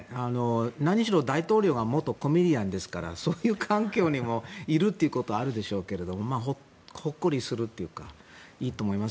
何しろ大統領が元コメディアンですからそういう環境にもいるということもあるでしょうけどほっこりするというかいいと思います。